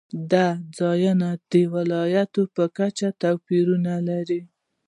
دا ځایونه د ولایاتو په کچه توپیرونه لري.